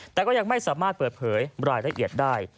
แต่ก็ยังไม่สามารถเปิดเผยรายละเอียดได้